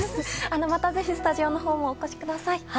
またぜひスタジオのほうにもお越しください。